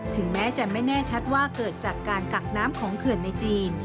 ถึงแม้จะไม่แน่ชัดว่าเกิดจากการกักน้ำของเขื่อนในจีน